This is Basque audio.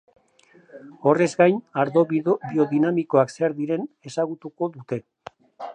Horrez gain, ardo biodinamikoak zer diren ezagutuko dute.